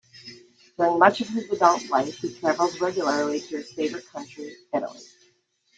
During much of his adult life he traveled regularly to his favorite country, Italy.